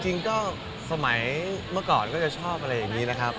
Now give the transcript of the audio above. ยิงก็สมัยเมื่อก่อนก็จะชอบอะไรนะครับ